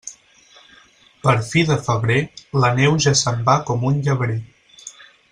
Per fi de febrer, la neu ja se'n va com un llebrer.